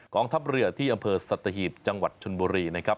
ทัพเรือที่อำเภอสัตหีบจังหวัดชนบุรีนะครับ